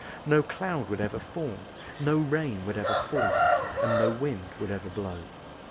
No cloud would ever form, no rain would ever fall, and no wind would ever blow.